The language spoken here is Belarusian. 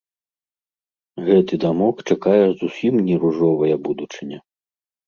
Гэты дамок чакае зусім не ружовая будучыня.